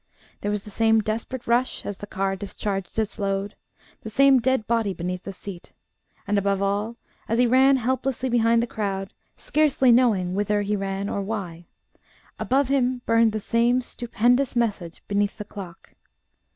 There was the same desperate rush as the car discharged its load, the same dead body beneath the seat; and above all, as he ran helplessly behind the crowd, scarcely knowing whither he ran or why, above him burned the same stupendous message beneath the clock.